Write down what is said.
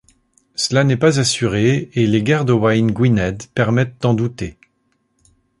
Cela n'est pas assuré et les guerres d'Owain Gwynedd permettent d'en douter.